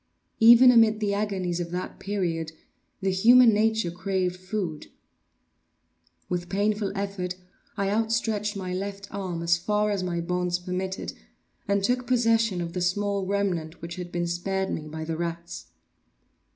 Even amid the agonies of that period, the human nature craved food. With painful effort I outstretched my left arm as far as my bonds permitted, and took possession of the small remnant which had been spared me by the rats.